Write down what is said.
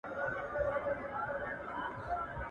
چي څنگه دېگ، هغسي ئې ټېپر.